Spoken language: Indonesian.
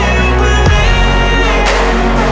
aku mau ngeliatin apaan